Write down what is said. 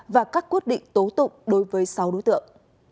và các quyết định tố tụng đối với sáu đối tượng